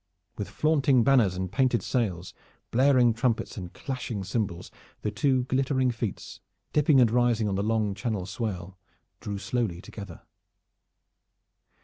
With flaunting banners and painted sails, blaring trumpets and clashing cymbals, the two glittering fleets, dipping and rising on the long Channel swell, drew slowly together.